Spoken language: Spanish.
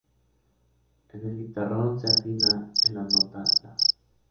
En el guitarrón, se afina en la nota la.